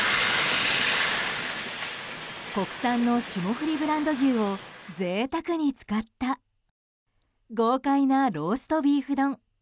国産の霜降りブランド牛を贅沢に使った豪快なローストビーフ丼。